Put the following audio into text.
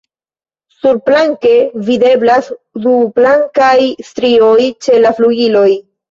Surplanke videblas du blankaj strioj ĉe la flugiloj.